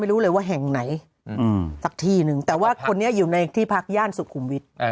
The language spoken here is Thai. รู้เลยว่าแห่งไหนสักที่นึงแต่ว่าคนนี้อยู่ในที่พักย่านสุขุมวิทย์